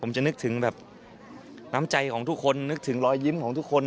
ผมจะนึกถึงแบบน้ำใจของทุกคนนึกถึงรอยยิ้มของทุกคน